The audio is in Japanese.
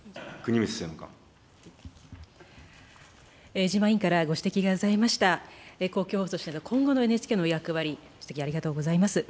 江島委員からご指摘がございました、公共放送としての今後のＮＨＫの役割、ご指摘ありがとうございます。